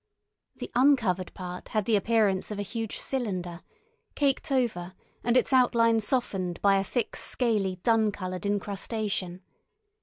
The uncovered part had the appearance of a huge cylinder, caked over and its outline softened by a thick scaly dun coloured incrustation.